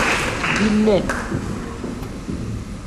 —Билле!